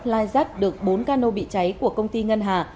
lai rắt được bốn cano bị cháy của công ty ngân hà